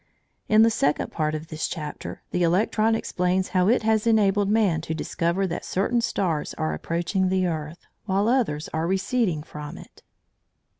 In the second part of this chapter, the electron explains how it has enabled man to discover that certain stars are approaching the earth, while others are receding from it.